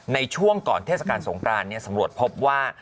ในช่วงก่อนเทศกาลสงครานสำรวจพบว่า